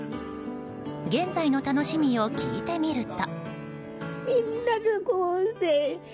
現在の楽しみを聞いてみると。